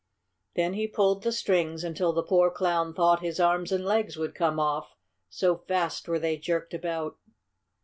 Then he pulled the strings until the poor Clown thought his arms and legs would come off, so fast were they jerked about.